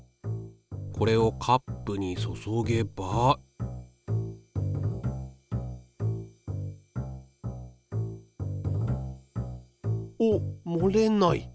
これをカップに注げばおっもれない！